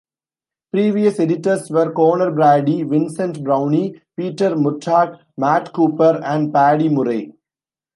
Previous editors were Conor Brady, Vincent Browne, Peter Murtagh, Matt Cooper and Paddy Murray.